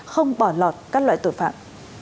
không bỏ lọt các loại tội phạm